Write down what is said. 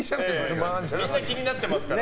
みんな気になってますから。